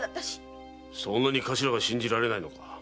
そんなに頭が信じられないのか？